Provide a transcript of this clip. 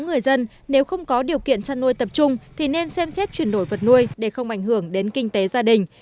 người dân nếu không có điều kiện chăn nuôi tập trung thì nên xem xét chuyển đổi vật nuôi để không ảnh hưởng đến kinh tế gia đình